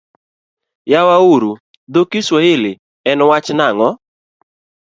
Yawa uru dho Kiswahili en wacho nang'o?